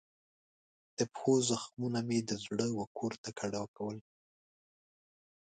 د پښو زخمونو مې د زړه وکور ته کډه کول